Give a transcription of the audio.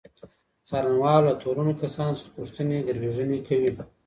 څارنوال له تورنو کسانو څخه پوښتني ګروېږنې کوي.